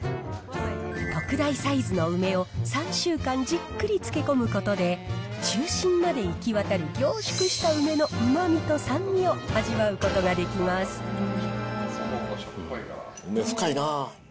特大サイズの梅を３週間じっくり漬け込むことで、中心まで行き渡る凝縮した梅のうまみと酸味を味わうことができま梅、深いなぁ。